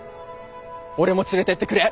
俺も連れてってくれ。